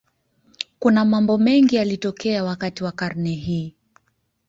Kuna mambo mengi yaliyotokea wakati wa karne hii.